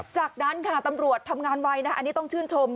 จากนั้นค่ะตำรวจทำงานไวนะอันนี้ต้องชื่นชม